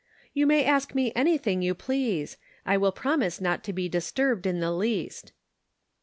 " You may ask me anything you please ; I will promise not to be disturbed in the least."